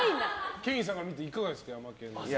ケインさんから見ていかがですか、ヤマケンの。